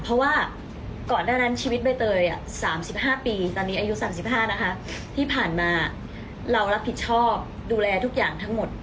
เพราะว่าก่อนหน้านั้นชีวิตใบเตย๓๕ปีตอนนี้อายุ๓๕นะคะที่ผ่านมาเรารับผิดชอบดูแลทุกอย่างทั้งหมด